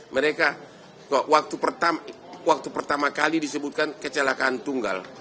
mereka waktu pertama kali disebutkan kecelakaan tunggal